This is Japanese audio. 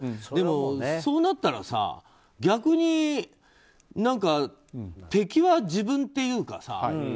でもそうなったら逆に敵は自分というかさ。